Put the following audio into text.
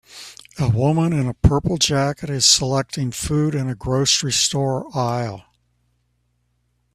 A woman in a purple jacket is selecting food in a grocery store aisle.